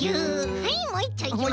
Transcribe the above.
はいもういっちょいきます。